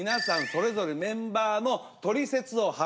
それぞれメンバーのトリセツを発表。